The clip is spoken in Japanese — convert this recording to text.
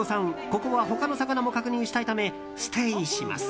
ここは他の魚も確認したいためステイします。